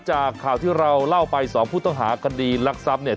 จากข่าวที่เราเล่าไป๒ผู้ต้องหากดีลักษณ์ซ้ำเนี่ย